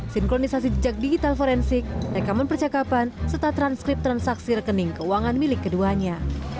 sinkronisasi jejak digital forensik rekaman percakapan serta transkrip transaksi rekening keuangan milik keduanya